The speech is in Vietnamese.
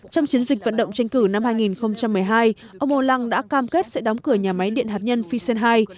trong chiến dịch vận động tranh cử năm hai nghìn một mươi hai ông hollande đã cam kết sẽ đóng cửa nhà máy điện hạt nhân phi sen hai